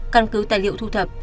căn cứ tài liệu thu thập